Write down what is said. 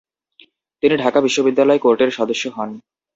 তিনি ঢাকা বিশ্ববিদ্যালয় কোর্টের সদস্য হন।